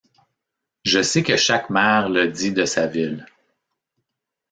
Je sais que chaque maire le dit de sa ville.